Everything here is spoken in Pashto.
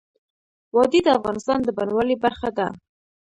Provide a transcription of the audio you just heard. وادي د افغانستان د بڼوالۍ برخه ده.